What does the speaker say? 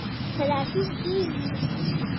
ترافیک ډیر وي.